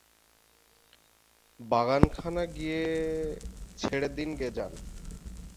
বাগানখানা গিয়ে ছেড়ে দিন গে যান!